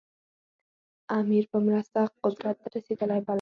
امیر په مرسته قدرت ته رسېدلی باله.